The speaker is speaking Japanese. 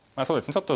そうですね。